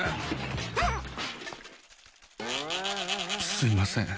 すいません。